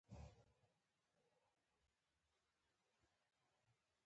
ولې موږ خپلې سترګې پټوو کله چې دعا کوو.